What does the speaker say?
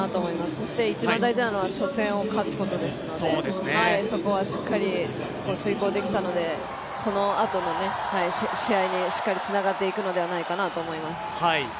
そして、一番大事なのが初戦を勝つことなのでそこはしっかり遂行できたので、このあとの試合にしっかりつながっていくのではないかなと思います。